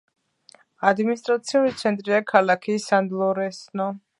ადმინისტრაციული ცენტრია ქალაქი სან-ლორენსო.